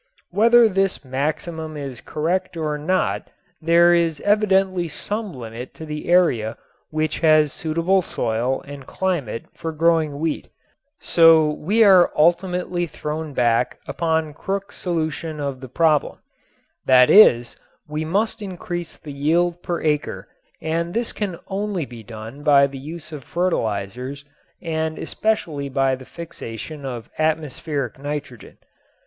Whether this maximum is correct or not there is evidently some limit to the area which has suitable soil and climate for growing wheat, so we are ultimately thrown back upon Crookes's solution of the problem; that is, we must increase the yield per acre and this can only be done by the use of fertilizers and especially by the fixation of atmospheric nitrogen.